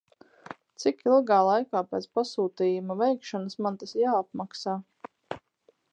Cik ilgā laikā pēc pasūtījuma veikšanas man tas jāapmaksā?